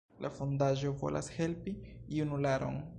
La fondaĵo volas helpi junularon.